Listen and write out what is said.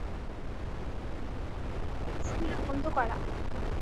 আমি ভেবেছিলাম এটা সহজ হবে স্কুলে বন্ধু করা।